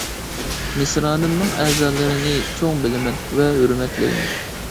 مىسرانىمنىڭ ئەزالىرىنى چوڭ بىلىمەن ۋە ھۆرمەتلەيمەن.